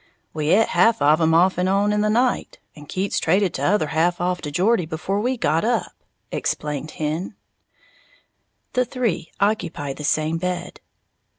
"We et half of 'em off'n'on in the night, and Keats traded t'other half off to Geordie before we got up," explained Hen, the three occupy the same bed.